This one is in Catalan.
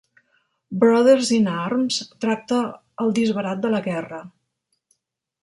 "Brothers in Arms" tracta el disbarat de la guerra.